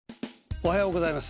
おはようございます。